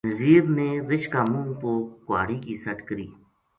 نزیر نے رچھ کا منہ پو گُہاڑی کی سَٹ کری